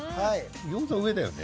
餃子上だよね。